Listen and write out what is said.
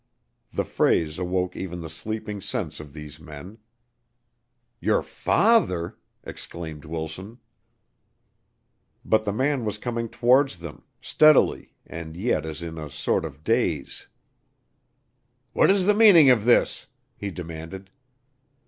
The phrase awoke even the sleeping sense of these men. "Your father!" exclaimed Wilson. But the man was coming towards them steadily, and yet as if in a sort of daze. "What is the meaning of this?" he demanded.